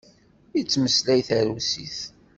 Yettmeslay tarusit.